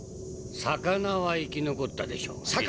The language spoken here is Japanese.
魚は生き残ったでしょうね。